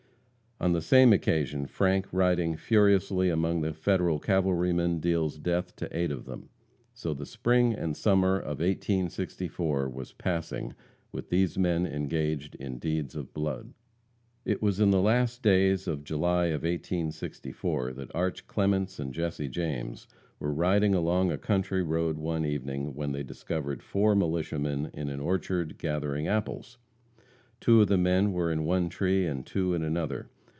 On the same occasion Frank, riding furiously among the Federal cavalrymen, deals death to eight of them. So the spring and summer of 1864 was passing with these men engaged in deeds of blood. It was in the last days of July of 1864, that Arch Clements and Jesse James were riding along a country road one evening, when they discovered four militiamen in an orchard gathering apples. Two of the men were in one tree and two in another.